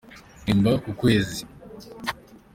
mpembwa kukwezi.